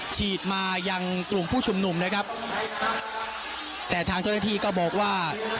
ฉีดมายังกลุ่มผู้ชุมนุมนะครับแต่ทางเจ้าหน้าที่ก็บอกว่า